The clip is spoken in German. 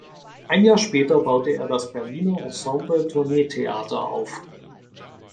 Ein Jahr später baute er das "Berliner-Ensemble-Tourneetheater" auf.